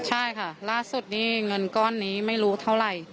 ใช่ค่ะล่าสุดนี่เงินก้อนนี้ไม่รู้เท่าไหร่